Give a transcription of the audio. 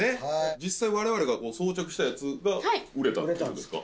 実際我々が装着したやつが売れたっていう事ですか？